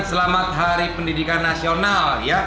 selamat hari pendidikan nasional